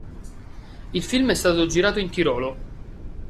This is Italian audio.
Il film è stato girato in Tirolo.